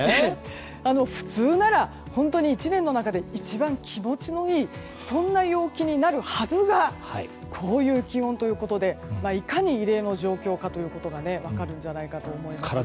普通なら本当に１年の中で一番気持ちのいいそんな陽気になるはずがこういう気温ということでいかに異例の状況かということが分かるんじゃないかと思います。